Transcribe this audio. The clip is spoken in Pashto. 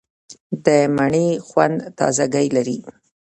د مڼې خوند تازهګۍ لري.